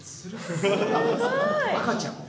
赤ちゃん。